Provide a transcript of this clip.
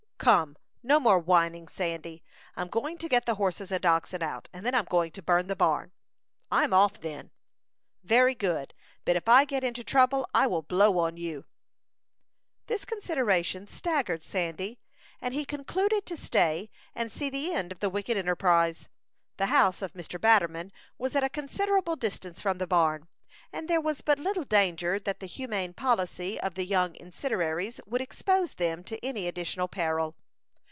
"Come, no more whining, Sandy; I'm going to get the horses and oxen out, and then I'm going to burn the barn." "I'm off, then." "Very good; but if I get into trouble, I will blow on you." This consideration staggered Sandy, and he concluded to stay and see the end of the wicked enterprise. The house of Mr. Batterman was at a considerable distance from the barn, and there was but little danger that the humane policy of the young incendiaries would expose them to any additional peril.